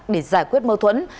để giải quyết mơ thuẫn